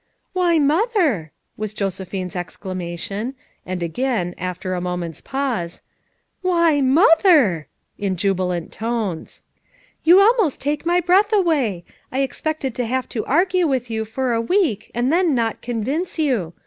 "Why, Mother!" was Josephine's exclama tion; and again, after a moment's pause, ''Why, Mother!" in jubilant tones. "You almost take my breath away ! I expected to have to argue with you for a week and then not convince you.